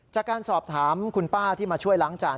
จากการสอบถามคุณป้าที่มาช่วยล้างจาน